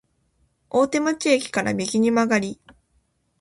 大手町駅から右に曲がり、